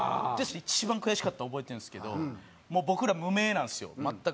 一番悔しかったの覚えてるんですけど僕ら無名なんですよ全く。